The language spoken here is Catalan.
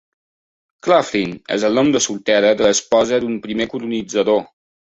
Claflin és el nom de soltera de l'esposa d'un primer colonitzador.